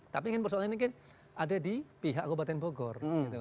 tapi persoalan ini kan ada di pihak kabupaten bogor